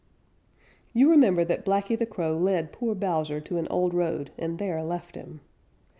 _ You remember that Blacky the Crow led poor Bowser to an old road and there left him.